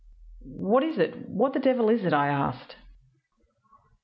"'What is it? What the devil is it?' I asked.